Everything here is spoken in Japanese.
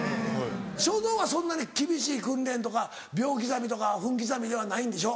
書道はそんなに厳しい訓練とか秒刻みとか分刻みではないんでしょ？